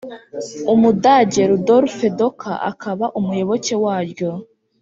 umudage rudolf docker akaba umuyoboke waryo,